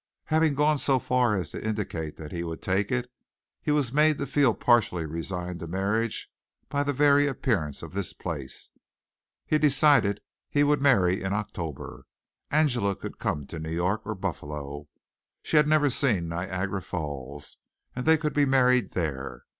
Having gone so far as to indicate that he would take it he was made to feel partially resigned to marriage by the very appearance of this place he decided that he would marry in October. Angela could come to New York or Buffalo she had never seen Niagara Falls and they could be married there.